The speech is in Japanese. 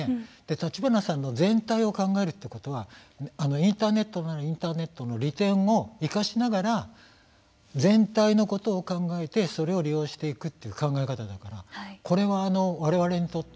立花さんの全体を考えるということはインターネットならインターネットの利点を生かしながら全体のことを考えてそれを利用していくという考え方だからこれはわれわれにとって